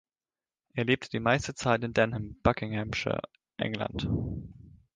Er lebte die meiste Zeit in Denham, Buckinghamshire, England.